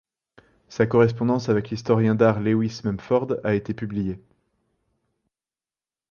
Sa correspondance avec l'historien d'art Lewis Mumford a été publiée.